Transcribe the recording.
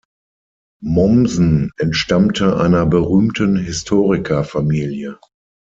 Mommsen entstammte einer berühmten Historiker-Familie.